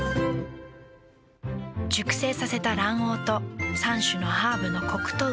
熟成させた卵黄と３種のハーブのコクとうま味。